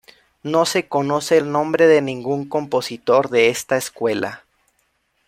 No se conoce el nombre de ningún compositor de esta escuela.